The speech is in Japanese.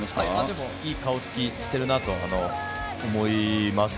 でも、いい顔つきしてるなと思います。